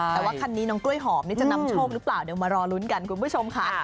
แต่ว่าคันนี้น้องกล้วยหอมนี่จะนำโชคหรือเปล่าเดี๋ยวมารอลุ้นกันคุณผู้ชมค่ะ